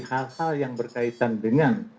hal hal yang berkaitan dengan